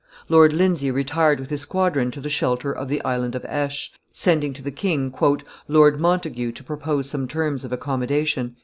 Lord Lindsay retired with his squadron to the shelter of the Island of Aix, sending to the king "Lord Montagu to propose some terms of accommodation."